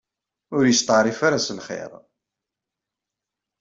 Ur yesteɛṛif ara s lxir.